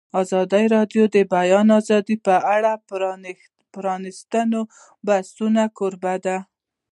ازادي راډیو د د بیان آزادي په اړه د پرانیستو بحثونو کوربه وه.